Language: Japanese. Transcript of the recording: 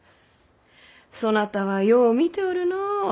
そなたはよう見ておるの。